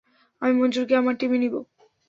আমি মঞ্জুরীকে আমার টিমে নিবো।